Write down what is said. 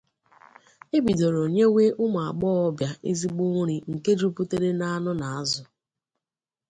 E bidoro nyewe ụmụagbọghọbịa ezigbo nri nke juputara n’anụ na azụ